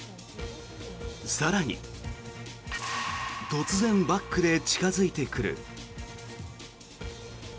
更に、突然バックで近付いてくる。